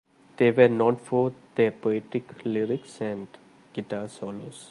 They were known for their poetic lyrics and guitar solos.